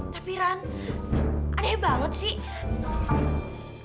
tapi run aneh banget sih